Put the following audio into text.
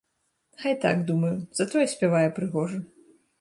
Хай так, думаю, затое спявае прыгожа.